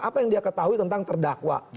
apa yang dia ketahui tentang terdakwa